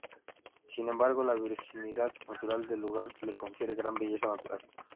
Sin embargo, la virginidad natural del lugar le confiere gran belleza natural.